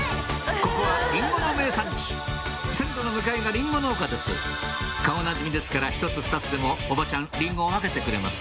ここはリンゴの名産地線路の向かいがリンゴ農家です顔なじみですから１つ２つでもおばちゃんリンゴを分けてくれます